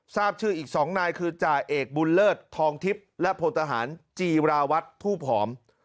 ทราบชื่ออีก๒นายคือจ่าเอกบุญเลิศทองทิพย์และพลทหารจีราวัตรทูบหอม